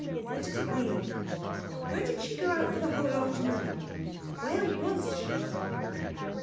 What did it mean? Why did she go out for the whole afternoon? Where was she?